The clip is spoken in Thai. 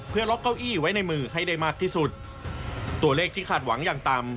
เพื่อล็อกเก้าอี้ไว้ในมือให้ได้มากที่สุดตัวเลขที่คาดหวังอย่างต่ำ